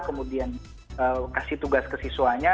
kemudian kasih tugas ke siswanya